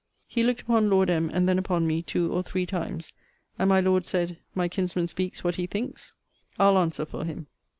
He looked upon Lord M. and then upon me, two or three times. And my Lord said, My kinsman speaks what he thinks, I'll answer for him.